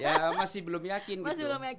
ya masih belum yakin gitu loh